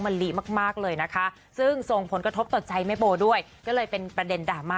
ลิมากเลยนะคะซึ่งส่งผลกระทบต่อใจแม่โบด้วยก็เลยเป็นประเด็นดราม่า